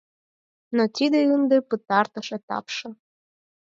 Но тиде ынде пытартыш этапше...»